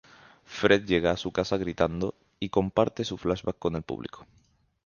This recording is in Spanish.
Fred llega a su casa gritando y comparte su flashback con el público.